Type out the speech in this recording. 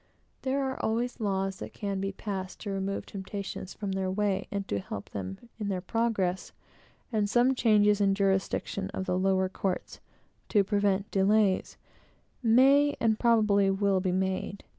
There are some laws that can be passed to remove temptation from their way and to help them in their progress; and some changes in the jurisdiction of the lower courts, to prevent delays, may, and probably will, be made.